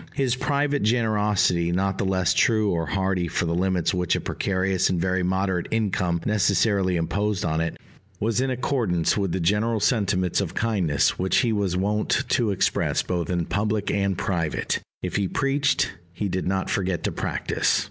His private generosity, not the less true or hearty for the limits which a precarious and very moderate income necessarily imposed on it, was in accordance with the general sentiments of kindness which he was wont to express both in public and private: if he preached, he did not forget to practise.